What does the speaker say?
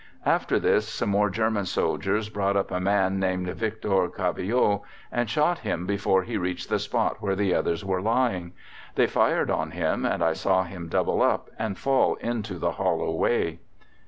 "After this some more German soldiers brought up a man named Victor Cavillot, and shot him before he reached the spot where the others were lying; they fired on him, and I saw him double up and fall into the hollow way."